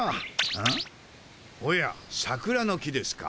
んおやサクラの木ですか？